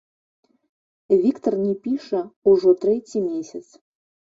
Віктар не піша ўжо трэці месяц.